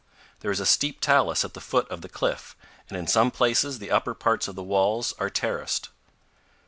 There is a steep talus at the foot of the cliff, and in some places the upper parts of the walls are terraced.